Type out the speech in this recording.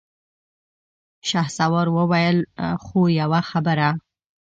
شهسوار وويل: خو يوه خبره!